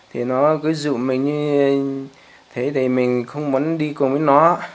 thì nó cứ dụ mình như thế thì mình không muốn đi cùng với nó